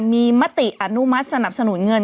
มีมติอนุมัติสนับสนุนเงิน